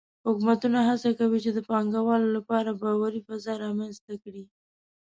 حکومتونه هڅه کوي چې د پانګهوالو لپاره باوري فضا رامنځته کړي.